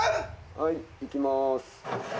はいいきます。